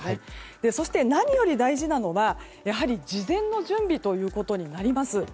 そして、何より大事なのはやはり事前の準備ということになります。